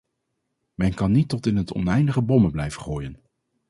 Men kan niet tot in het oneindige bommen blijven gooien.